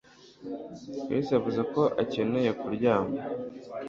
kalisa yavuze ko akeneye kuryama.